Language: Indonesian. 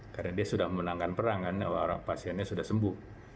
karena dia sudah memenangkan perang kan orang pasiennya sudah sembuh